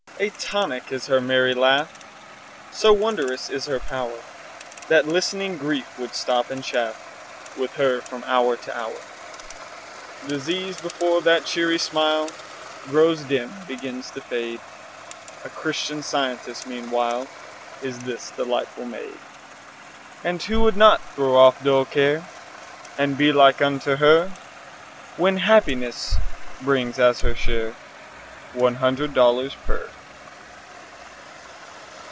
A tonic is her merry laugh! So wondrous is her power That listening grief would stop and chaff With her from hour to hour. Disease before that cheery smile Grows dim, begins to fade. A Christian scientist, meanwhile, Is this delightful maid. And who would not throw off dull care And be like unto her, When happiness brings, as her share, One hundred dollars per